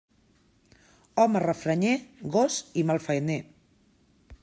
Home refranyer, gos i malfaener.